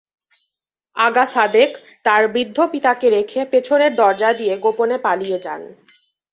আগা সাদেক তাঁর বৃদ্ধ পিতাকে রেখে পেছনের দরজা দিয়ে গোপনে পালিয়ে যান।